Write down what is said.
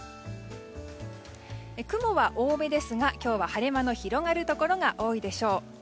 雲は多めですが今日は晴れ間の広がるところが多いでしょう。